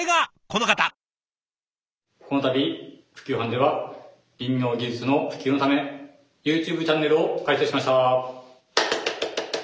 この度普及班では林業技術の普及のためＹｏｕＴｕｂｅチャンネルを開設しました。